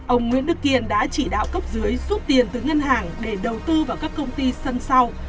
ông nguyễn đức kiên đã chỉ đạo cấp dưới rút tiền từ ngân hàng để đầu tư vào các công ty sân sau